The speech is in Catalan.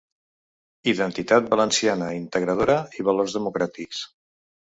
Identitat valenciana integradora i valors democràtics.